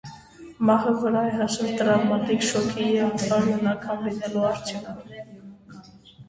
Մահը վրա է հասել տրավմատիկ շոկի և արյունաքամ լինելու արդյունքում։